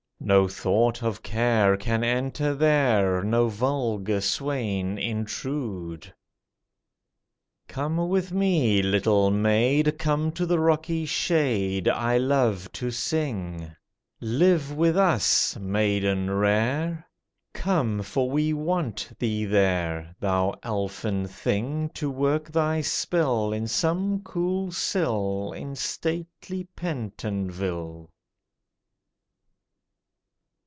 No thought of care Can enter there, No vulgar swain intrude! Come with me, little maid, Come to the rocky shade I love to sing; Live with us, maiden rare— Come, for we "want" thee there, Thou elfin thing, To work thy spell, In some cool cell In stately Pentonville!